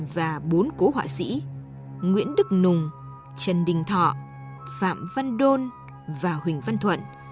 và bốn cố họa sĩ nguyễn đức nùng trần đình thọ phạm văn đôn và huỳnh văn thuận